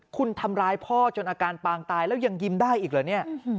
คุณทำร้ายพ่อจนอาการปางตายแล้วยังยิ้มได้อีกเหรอเนี่ย